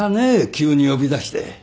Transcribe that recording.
急に呼び出して。